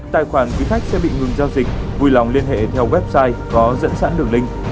tài khoản quý khách sẽ bị ngừng giao dịch vui lòng liên hệ theo website có dẫn sẵn đường link